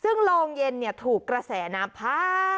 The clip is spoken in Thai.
ซึ่งโรงเย็นถูกกระแสน้ำพา